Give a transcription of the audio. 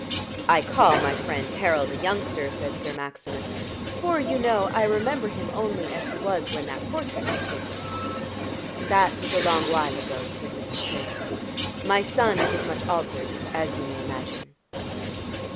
"I call my friend Harold a youngster," said Sir Maximus, "for, you know, I remember him only as he was when that portrait was taken." "That is a long while ago," said Mrs. Transome. "My son is much altered, as you may imagine."